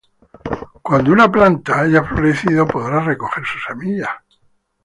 Cuando una planta haya florecido podrás recoger sus semillas.